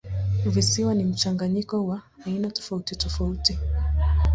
Visiwa ni mchanganyiko wa aina tofautitofauti.